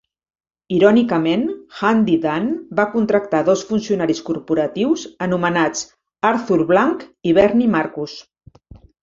Irònicament, Handy Dan va contractar dos funcionaris corporatius anomenats Arthur Blank i Bernie Marcus.